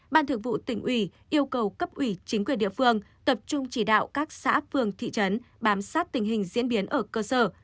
ban thường vụ tỉnh ủy yêu cầu cấp ủy chính quyền địa phương tập trung chỉ đạo các xã phường thị trấn bám sát tình hình diễn biến ở cơ sở